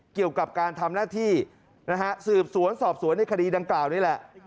เกี่ยวกับการทำหน้าที่นะฮะสืบสวนสอบสวนในคดีดังกล่าวนี่แหละ